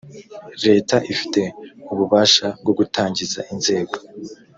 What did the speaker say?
leta ifite ububasha bwo gutangiza inzego.